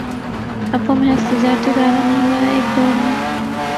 اب وہ محض تجارتی ادارہ نہیں رہا ایک دور میں